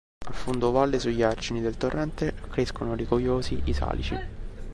A fondovalle sugli argini del torrente crescono rigogliosi i salici.